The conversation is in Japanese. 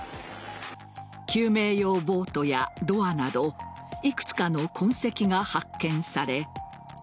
救命用ボートやドアなどいくつかの痕跡が発見され